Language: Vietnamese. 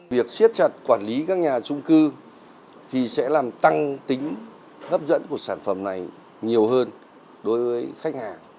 việc siết chặt quản lý các nhà trung cư thì sẽ làm tăng tính hấp dẫn của sản phẩm này nhiều hơn đối với khách hàng